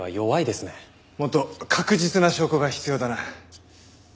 もっと確実な証拠が必要だな。